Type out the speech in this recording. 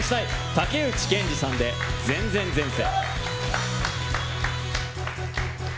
武内憲治さんで「前前前世」。